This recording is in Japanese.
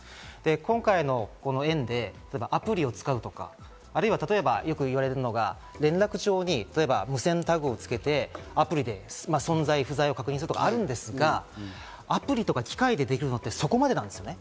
今回の園でアプリを使うとか、例えばよく言われるのが連絡帳に無線タグをつけてアプリで存在不在を確認するとかあるんですが、アプリとか機械でできるのってそこまでなんですね。